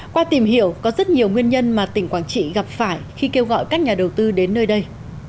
qua tìm hiểu có rất nhiều nguyên nhân mà tỉnh quảng trị gặp phải khi kêu gọi các nhà đầu tư đến nơi đây